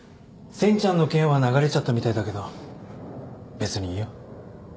センチャンの件は流れちゃったみたいだけど別にいいよ。